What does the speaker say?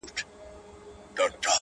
ستا خو غاړه په موږ ټولو کي ده لنډه!